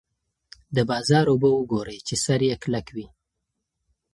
د بازار اوبه وګورئ چې سر یې کلک وي.